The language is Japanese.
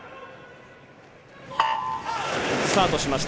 スタートしました。